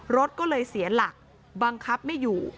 รถก็เลยเสียหลักบังคับไม่อยู่